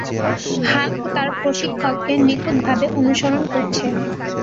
Hulk তার প্রশিক্ষককে নিখুঁতভাবে অনুসরণ করছে।